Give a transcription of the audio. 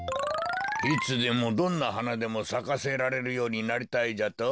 いつでもどんなはなでもさかせられるようになりたいじゃと？